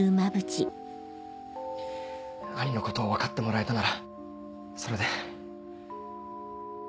兄のことを分かってもらえたならそれで。